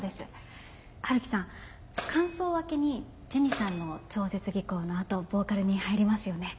陽樹さん間奏明けにジュニさんの超絶技巧のあとボーカルに入りますよね。